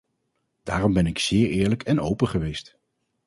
Daarom ben ik zeer eerlijk en open geweest.